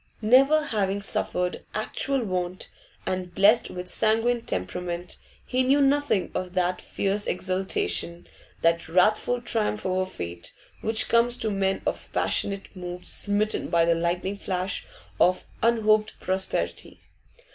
Never having suffered actual want, and blessed with sanguine temperament, he knew nothing of that fierce exultation, that wrathful triumph over fate, which comes to men of passionate mood smitten by the lightning flash of unhoped prosperity.